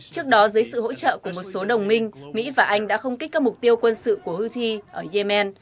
trước đó dưới sự hỗ trợ của một số đồng minh mỹ và anh đã không kích các mục tiêu quân sự của houthi ở yemen